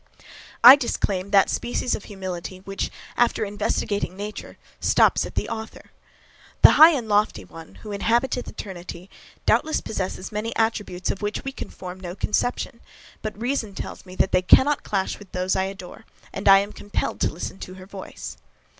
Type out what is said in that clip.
I disclaim that species of humility which, after investigating nature, stops at the author. The high and lofty One, who inhabiteth eternity, doubtless possesses many attributes of which we can form no conception; but reason tells me that they cannot clash with those I adore, and I am compelled to listen to her voice.